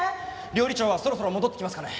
料理長はそろそろ戻ってきますかね？